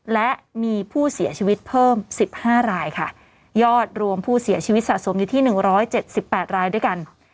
และมีผู้เสียชีวิตเพิ่มสิบห้ารายค่ะยอดรวมผู้เสียชีวิตสะสมอยู่ที่๑๗๘รายด้วยกัน